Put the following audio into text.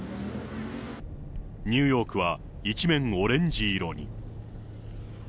ニューヨークは一面オレンジ色に。